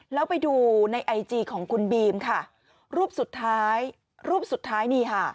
แล้วไปดูในไอจีของคุณบีมค่ะรูปสุดท้ายรูปสุดท้ายนี่ค่ะ